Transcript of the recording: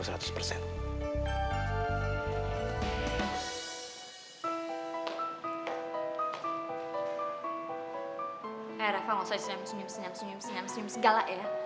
e reva gak usah senyum senyum senyum senyum senyum segala ya